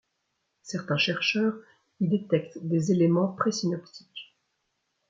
Certains chercheurs y détectent des éléments pré-synoptiques.